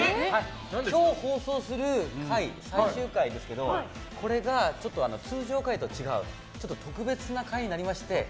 今日放送する回最終回ですけどこれが通常回と違うちょっと特別な回になりまして。